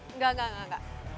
enggak enggak enggak